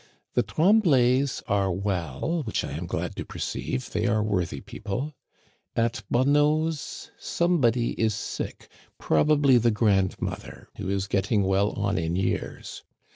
The Tremblays are well, which I am glad to perceive ; they are worthy people. At Bon neau's somebody is sick, probably the grandmother, who is getting well on in years.